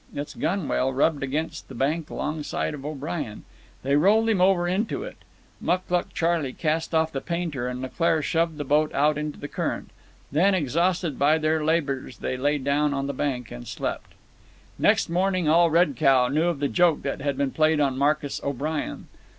Its gunwale rubbed against the bank alongside of O'Brien. They rolled him over into it. Mucluc Charley cast off the painter, and Leclaire shoved the boat out into the current. Then, exhausted by their labours, they lay down on the bank and slept. Next morning all Red Cow knew of the joke that had been played on Marcus O'Brien.